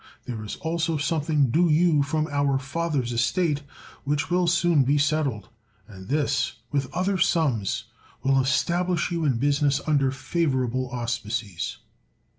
There is also something due you from our father's estate, which will soon be settled; and this, with other sums, will establish you in business under favorable auspices."